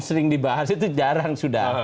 sering dibahas itu jarang sudah